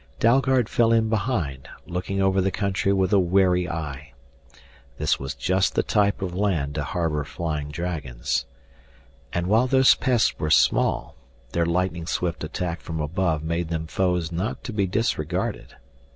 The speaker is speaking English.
Dalgard fell in behind, looking over the country with a wary eye. This was just the type of land to harbor flying dragons. And while those pests were small, their lightning swift attack from above made them foes not to be disregarded.